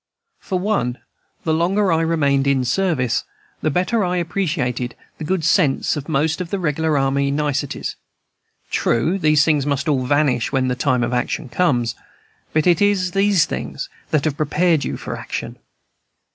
For one, the longer I remained in service, the better I appreciated the good sense of most of the regular army niceties. True, these things must all vanish when the time of action comes, but it is these things that have prepared you for action.